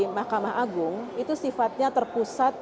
ma itu sifatnya terpusat